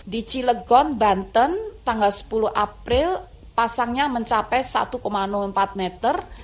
di cilegon banten tanggal sepuluh april pasangnya mencapai satu empat meter